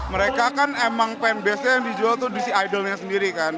mereka kan emang fanbase nya yang dijual tuh di si idolnya sendiri kan